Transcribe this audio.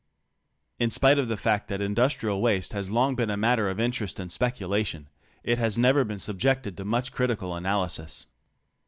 In spite of the fact that industrial waste has long been a matter of interest and speculation, it has never been sub jected to much critical analysis.